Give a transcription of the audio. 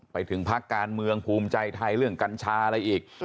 ไปถึงพักการเมืองภูมิใจไทยเรื่องกัญชาอะไรอีก